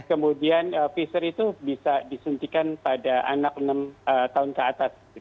kemudian pfizer itu bisa disuntikan pada anak enam tahun ke atas